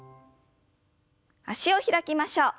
脚を開きましょう。